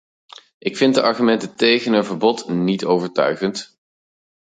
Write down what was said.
Ik vind de argumenten tegen een verbod niet overtuigend.